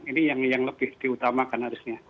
ini yang lebih diutamakan harusnya